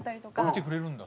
見てくれるんだ。